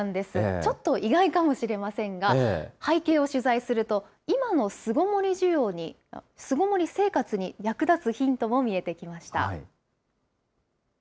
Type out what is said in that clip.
ちょっと意外かもしれませんが、背景を取材すると、今の巣ごもり生活に役立つヒントも見えてきました。